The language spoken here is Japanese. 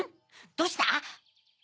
どうした？